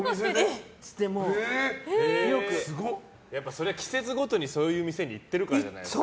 それは季節ごとにそういう店に行ってるからじゃないですか。